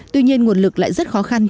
tuy nhiên nguồn lực lại rất khó khăn